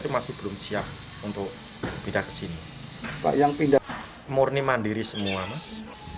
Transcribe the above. masih belum siap untuk pindah ke sini pak yang pindah murni mandiri semua mas